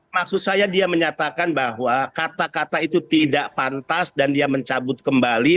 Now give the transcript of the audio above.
maksud saya dia menyatakan bahwa kata kata itu tidak pantas dan dia mencabut kembali